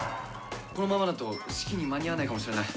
このままだと式に間に合わないかもしれない。